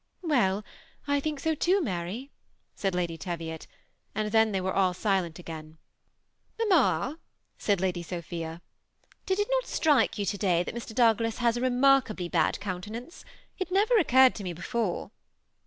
"Well, I think so too, Mary," said Lady' Teviot; and then they were all silent again. " Mamma," said Lady Sophia, did it not strike you to day that Mr. Douglas has a remarkably bad counte nance ? It never occurred to me before."